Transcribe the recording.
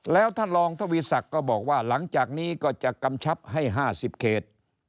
แล้วท่านรองทวีศักดิ์ก็บอกว่าหลังจากนี้ก็จะกำชับให้๕๐เขต